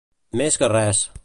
Més que res.